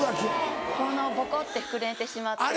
ここのボコって膨れてしまって。